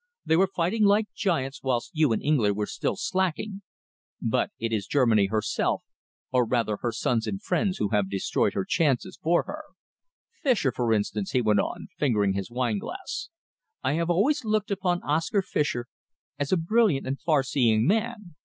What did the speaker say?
They were fighting like giants whilst you in England were still slacking. But it is Germany herself, or rather her sons and friends, who have destroyed her chances for her. Fischer, for instance," he went on, fingering his wineglass. "I have always looked upon Oscar Fischer as a brilliant and far seeing man.